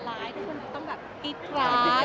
โจ้ยสะกาง